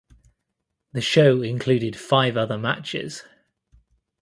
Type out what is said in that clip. The show included five other matches.